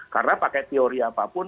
karena pakai teori apapun